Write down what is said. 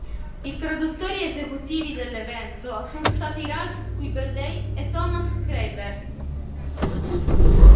I produttori esecutivi dell'evento sono stati Ralf Quibeldey e Thomas Schreiber.